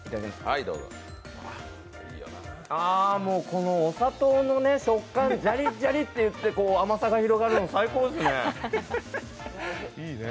このお砂糖の食感、ジャリジャリっていって甘さが広がるの、最高ですね。